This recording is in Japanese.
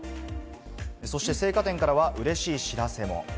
そして青果店からは、うれしい知らせも。